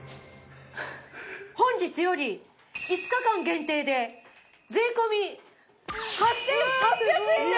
本日より５日間限定で税込８８００円です！